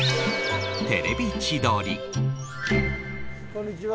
こんにちは。